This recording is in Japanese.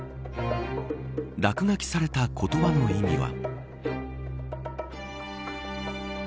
落書きされた言葉の意味は。